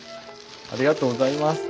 ありがとうございます。